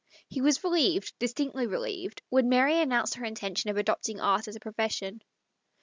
He was relieved, distinctly relieved, when Mary announced her intention of adopting art as a profession.